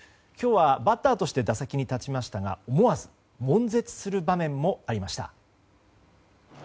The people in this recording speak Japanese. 今日はバッターとして打席に立ちましたが思わず悶絶する場面もありました。